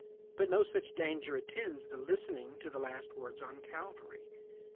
But no such danger attends the listening to the last words on Calvary.